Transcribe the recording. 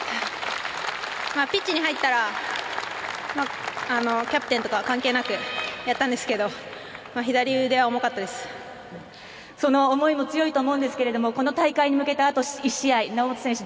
ピッチに入ったらキャプテンとか関係なくやったんですけどその思いも強いと思うんですがこの大会に向けてあと１試合、猶本選手